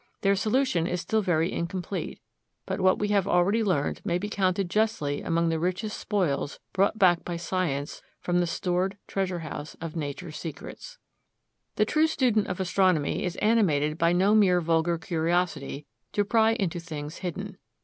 Their solution is still very incomplete, but what we have already learned may be counted justly among the richest spoils brought back by science from the stored treasure house of Nature's secrets. The true student of astronomy is animated by no mere vulgar curiosity to pry into things hidden.